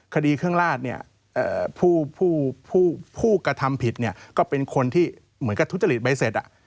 คดีเครื่องราชผู้กระทำผิดก็เป็นคนที่เหมือนกับทุจริตใบเสธ